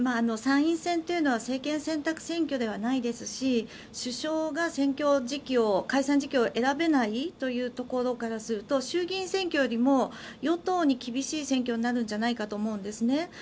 参院選というのは政権選択選挙ではないですし首相が選挙時期を、解散時期を選べないところからすると衆議院選挙よりも与党に厳しい選挙になるんじゃないかと思うんですね。